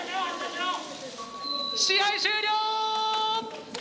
試合終了！